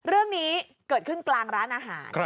เรื่องนี้เกิดขึ้นกลางร้านอาหาร